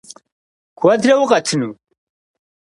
Куэдрэ укъэтыну?